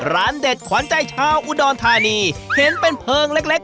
ร้านเด็ดขวัญใจเช้าอุรดนทรานีเห็นเป็นเพลิงเล็ก